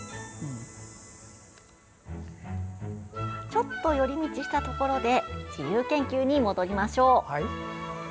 ちょっと寄り道したところで自由研究に戻りましょう。